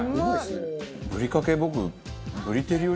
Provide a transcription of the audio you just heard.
ぶりかけ僕。